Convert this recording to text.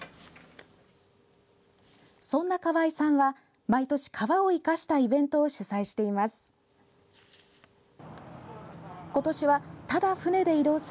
そんな川井さんは、毎年川を生かしたイベントを主催しています。